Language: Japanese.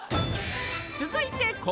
続いて昴